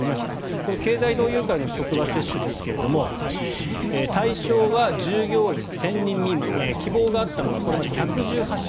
この経済同友会の職場接種ですが対象は従業員１０００人未満希望があったのがこれまで１１８社。